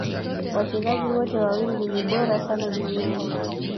Wachezaji wote wawili ni bora sana duniani